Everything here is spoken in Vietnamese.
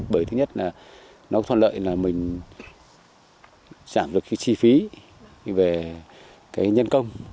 bởi thứ nhất là nó thoát lợi là mình giảm được chi phí về nhân công